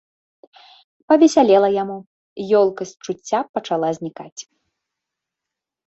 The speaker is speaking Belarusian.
Павесялела яму, ёлкасць чуцця пачала знікаць.